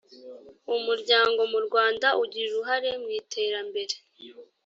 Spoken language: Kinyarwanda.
umuryango mu rwanda ugira uruhare mu iterambere